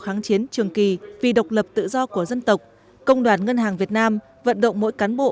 kháng chiến trường kỳ vì độc lập tự do của dân tộc công đoàn ngân hàng việt nam vận động mỗi cán bộ